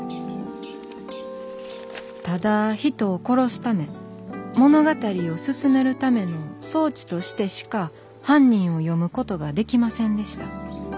「ただ人を殺すため物語を進めるための装置としてしか犯人を読むことができませんでした。